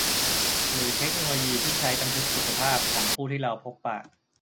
หรือเทคโนโลยีที่ใช้บันทึกสุขภาพของผู้ที่เราพบปะ